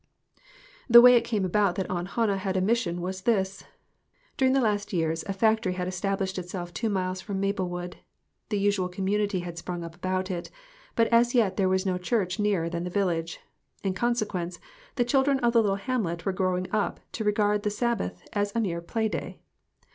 The way it came about that Aunt Hannah had a mission was this ; during the last years a fac tory had established itself two miles from Maple wood. The usual community had sprung up about it, but as yet there was no church nearer than the village. In consequence, the children of the little hamlet were growing up to regard the Sabbath as a mere play day.